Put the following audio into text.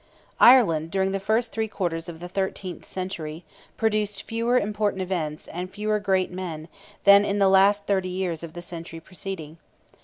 Ireland, during the first three quarters of the thirteenth century, produced fewer important events, and fewer great men, than in the thirty last years of the century preceding.